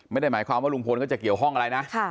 ไม่ได้หมายความว่าลุงพลก็จะเกี่ยวข้องอะไรนะ